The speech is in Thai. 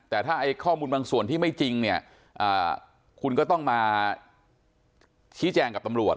แต่ถ้าข้อมูลบางส่วนที่ไม่จริงเนี่ยคุณก็ต้องมาชี้แจงกับตำรวจ